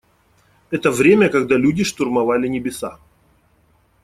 Это время, когда люди штурмовали небеса.